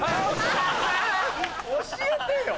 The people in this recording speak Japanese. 教えてよ！